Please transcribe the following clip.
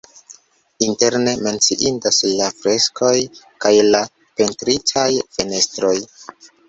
Interne menciindas la freskoj kaj la pentritaj fenestroj.